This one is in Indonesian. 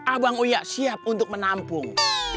abang uyak siap untuk menampung